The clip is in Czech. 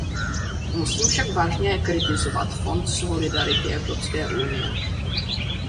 Musím však vážně kritizovat Fond solidarity Evropské unie.